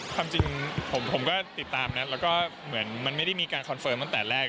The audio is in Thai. ความจริงผมก็ติดตามนะแล้วก็เหมือนมันไม่ได้มีการคอนเฟิร์มตั้งแต่แรก